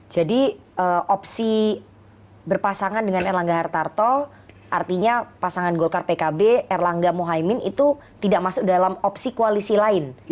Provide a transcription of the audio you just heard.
jadi opsi berpasangan dengan erlangga artarto artinya pasangan golkar pkb erlangga mohaimin itu tidak masuk dalam opsi koalisi lain